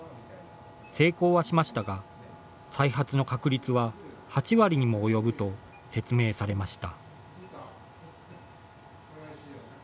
成功はしましたが、再発の確率は８割にも及ぶと説明されました。